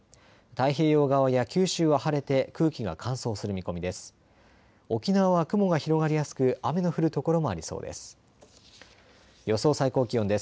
太平洋側や九州は晴れて空気が乾燥する見込みです。